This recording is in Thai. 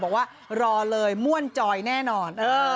บอกว่ารอเลยม่วนจอยแน่นอน